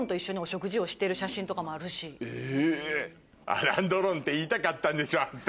アラン・ドロンって言いたかったんでしょあんた。